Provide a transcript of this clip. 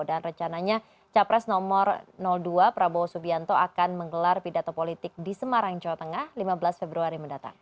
dan recananya capres nomor dua prabowo subianto akan menggelar pidato politik di semarang jawa tengah lima belas februari mendatang